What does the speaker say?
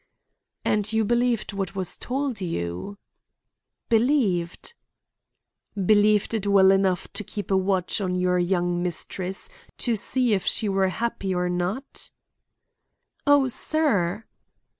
"And you believed what was told you?" "Believed?" "Believed it well enough to keep a watch on your young mistress to see if she were happy or not?" "Oh, sir!"